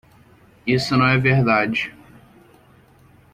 Isso não é verdade.